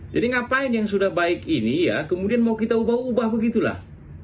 jadi ngapain yang sudah baik ini ya kemudian mau kita ubah ubah begitulah